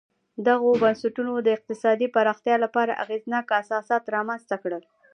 دغو بنسټونو د اقتصادي پراختیا لپاره اغېزناک اساسات رامنځته کړل